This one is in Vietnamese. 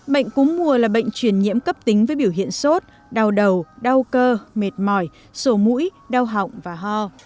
bệnh cúm mùa là bệnh truyền nhiễm cấp tính với biểu hiện sốt đau đầu đau cơ mệt mỏi sổ mũi đau họng và ho